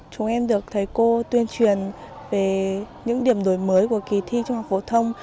chúng em được thầy cô tuyên truyền về những điểm đổi mới của kỳ thi trung học phổ thông